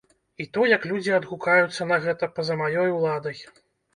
І то, як людзі адгукаюцца на гэта, па-за маёй уладай.